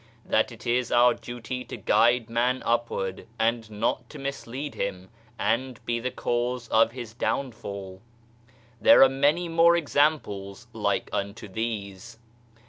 That it is our duty to guide man upward, and not to mislead him and be the cause of his downfall. There are many more examples like unto these.